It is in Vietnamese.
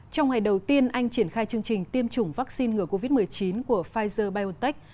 trong ngày đầu tiên anh triển khai chương trình tiêm chủng vaccine ngừa covid một mươi chín của pfizer biontech